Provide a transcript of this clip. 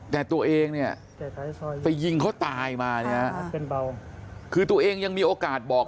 แต่ตัวเองเนี่ยไปยิงเขาตายมาเนี่ยคือตัวเองยังมีโอกาสบอก